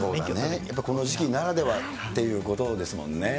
この時期ならではっていうことですもんね。